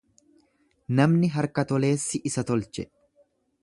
Namni harka-toleessi isa tolche.